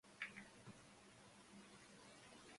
El Brøndby siempre ha jugado sus partidos en el estadio Brøndby.